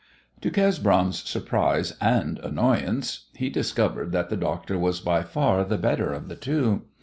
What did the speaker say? To Cesbron's surprise and annoyance, he discovered that the doctor was by far the better of the two.